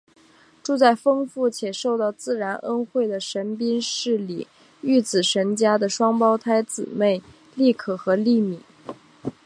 住在丰富且受到自然恩惠的神滨市里御子神家的双胞胎姊妹莉可和莉咪。